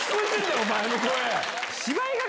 お前の声！